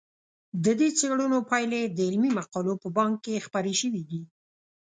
د دې څېړنو پایلې د علمي مقالو په بانک کې خپرې شوي دي.